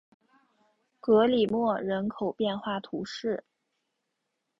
格里莫人口变化图示